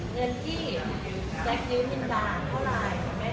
หรือก็จะคิดเงินที่แซ็คยืนเงินบินดาเท่าไหร่